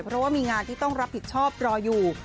เพราะว่ามีงานที่ต้องรับผิดชอบรออยู่